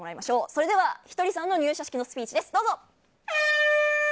それでは、ひとりさんの入社式のスピーチです。